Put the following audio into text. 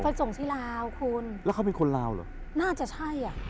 ส่งที่ลาวคุณแล้วเขาเป็นคนลาวเหรอน่าจะใช่อ่ะ